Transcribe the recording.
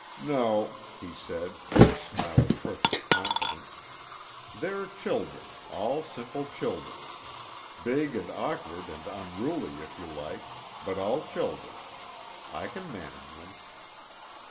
"No," he said, with a smile of perfect confidence. "They're children, all simple children. Big and awkward and unruly, if you like, but all children. I can manage them."